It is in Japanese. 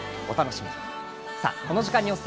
お楽しみに。